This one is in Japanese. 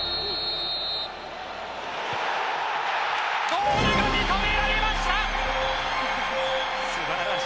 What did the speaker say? ゴールが認められました！